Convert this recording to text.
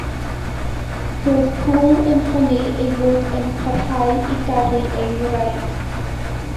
Roedd Paul yn honni ei fod yn parhau i garu ei wraig.